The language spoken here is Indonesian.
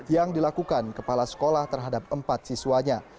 yang dilakukan kepala sekolah terhadap empat siswanya